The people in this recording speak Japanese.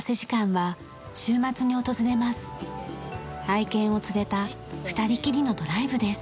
愛犬を連れた２人きりのドライブです。